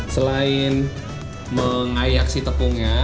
selain mengayak si tepungnya